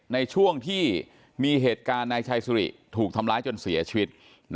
ในช่วงที่มีเหตุการณ์นายชัยสุริถูกทำร้ายจนเสียชีวิต